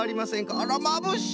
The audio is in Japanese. あらまぶしい！